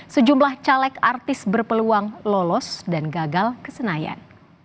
sejumlah caleg artis berpeluang lolos dan gagal ke senayan